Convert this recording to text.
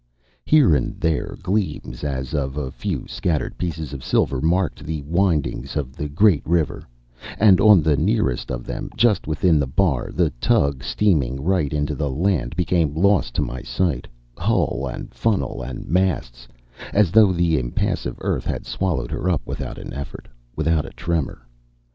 Here and there gleams as of a few scattered pieces of silver marked the windings of the great river; and on the nearest of them, just within the bar, the tug steaming right into the land became lost to my sight, hull and funnel and masts, as though the impassive earth had swallowed her up without an effort, without a tremor.